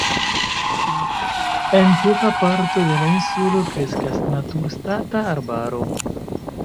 En ĉefa parto de la insulo kreskas naturstata arbaro.